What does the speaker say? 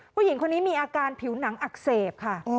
ผู้หญิงคนนี้มีอาการผิวหนังอักเสบค่ะ